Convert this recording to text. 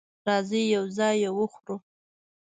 راځئ یو ځای یی وخورو